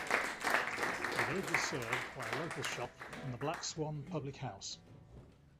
The village is served by a local shop and the Black Swan public house.